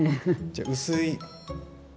じゃ薄い。